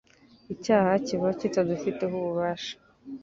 icyaha kiba kitakidufiteho ububasha.